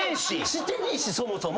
してねえしそもそも。